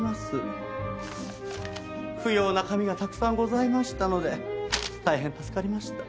不要な紙がたくさんございましたので大変助かりました。